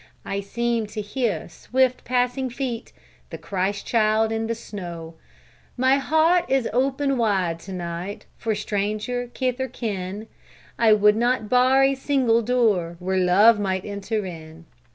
I seem to hear swift passing feet, The Christ Child in the snow. My heart is open wide to night For stranger, kith or kin. I would not bar a single door Where Love might enter in!